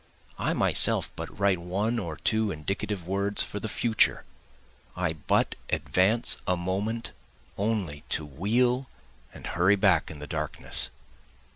I myself but write one or two indicative words for the future, I but advance a moment only to wheel and hurry back in the darkness.